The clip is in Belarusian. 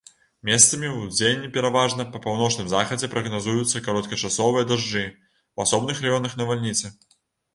Месцамі, удзень пераважна па паўночным захадзе прагназуюцца кароткачасовыя дажджы, у асобных раёнах навальніцы.